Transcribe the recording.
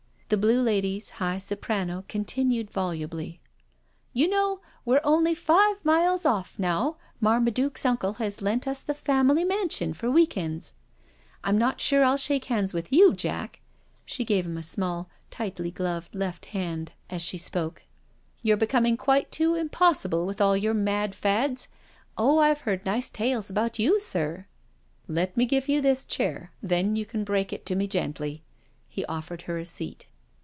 The blue lady's high soprano continued volubly: " You know, we're only five miles off now Marma duke's uncle has lent us the family mansion for week ends. I'm not sure I'll shake hands with you, Jack," she gave him a small tightly gloved left band as she 158 NO SURRENDER spoke, " you're becoming quite too impossible with all your mad fads. Oh, I've heard nice tales about you, sir." *' Let me give you this chair — then you can break it to me gently." He offered her a seat.